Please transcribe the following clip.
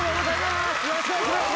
よろしくお願いします。